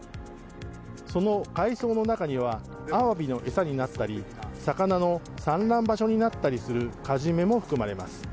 その海藻の中にはアワビの餌になったり魚の産卵場所になったりするカジメも含まれます。